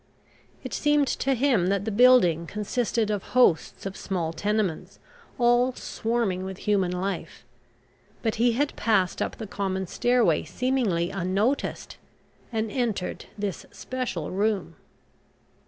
It seemed to him that the building consisted of hosts of small tenements, all swarming with human life, but he had passed up the common stairway seemingly unnoticed, and entered this special room.